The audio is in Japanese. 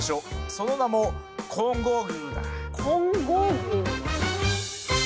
その名も金剛宮。